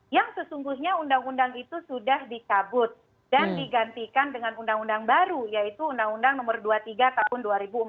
yang sesungguhnya undang undang itu sudah dicabut dan digantikan dengan undang undang baru yaitu undang undang nomor dua puluh tiga tahun dua ribu empat